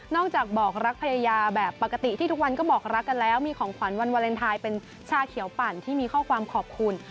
จากบอกรักภรรยาแบบปกติที่ทุกวันก็บอกรักกันแล้วมีของขวัญวันวาเลนไทยเป็นชาเขียวปั่นที่มีข้อความขอบคุณ